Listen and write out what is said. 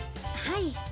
はい。